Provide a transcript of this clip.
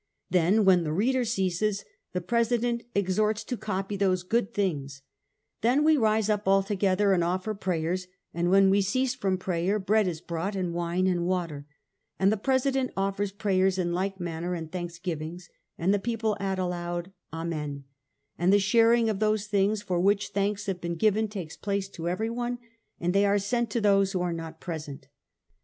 'Then, when the reader ceases, the president exhorts to copy these good things, jusiin, Then we rise up all together and offer prayers, ^ and when we cease from prayer, bread is brought, and wine, and water, and the president offers prayers in like manner, and thanksgivings, and the people add aloud " Amen," and the sharing of those things for which thanks have been given takes place to everyone, and they are sent to those who are not present.